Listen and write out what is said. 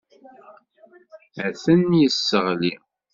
Ad ten-yesseɣli.